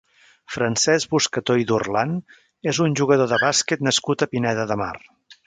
Francesc Buscató i Durlan és un jugador de bàsquet nascut a Pineda de Mar.